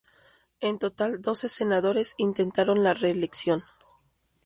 En total doce senadores intentaron la reelección.